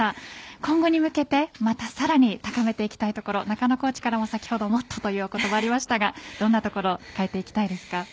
今後に向けてまたさらに高めていきたいところ中野コーチからも、先ほどもっとという言葉がありましたがどんなところを変えていきたいですか？